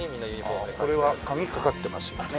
これは鍵かかってますよね？